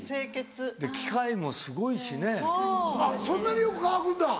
そんなによく乾くんだ。